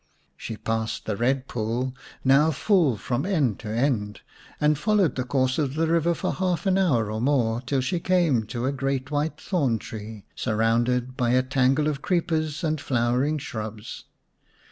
She passed the Ked Pool, now full from end to end, and followed the course of the river for half an hour or more till she came to a great white thorn tree surrounded by a tangle of creepers and flowering shrubs.